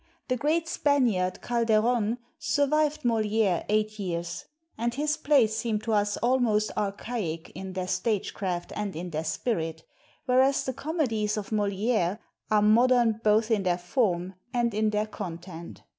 The great Spaniard Calderon survived Moliere eight years; and his plays seem to us almost archaic in their stagecraft and in their spirit, whereas the comedies of Moliere are modern both in their form and in their content.